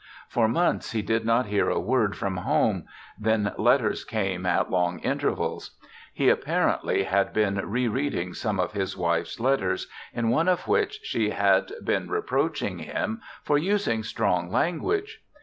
For months he did not hear a word from home ; then letters came at long intervals. He apparently had been re reading some of his wife's letters, in one of which she had been reproach ing him for using strong language.